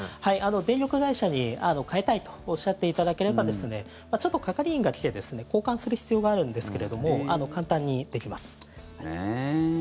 電力会社に、変えたいとおっしゃっていただければちょっと、係員が来て交換する必要があるんですけども簡単にできます。